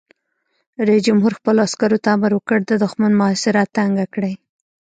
رئیس جمهور خپلو عسکرو ته امر وکړ؛ د دښمن محاصره تنګه کړئ!